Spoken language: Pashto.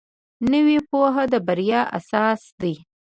نوې پوهه د بریا اساس دی